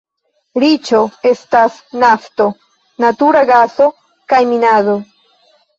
Riĉo estas nafto, natura gaso kaj minado.